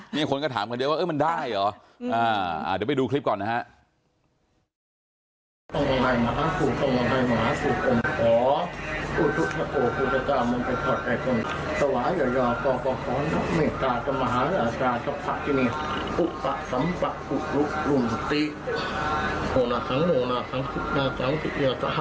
หรอคะได้ด้วยใช่ไหมคะ